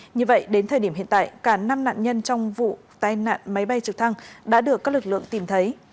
như vậy đến thời điểm hiện tại cả năm nạn nhân trong vụ tai nạn máy bay trực thăng đã được các lực lượng tìm thấy